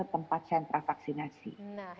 tempat sentra vaksinasi nah